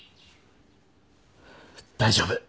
大丈夫。